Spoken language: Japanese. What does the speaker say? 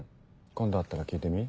今度会ったら聞いてみ？